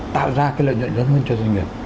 tạo ra cái lợi nhuận lớn hơn cho doanh nghiệp